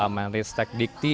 menteri stek dikti